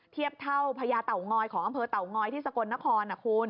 เทียบเท่าพญาเต่างอยของอำเภอเต่างอยที่สกลนครนะคุณ